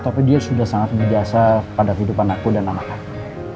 tapi dia sudah sangat berjasa pada kehidupan aku dan anak aku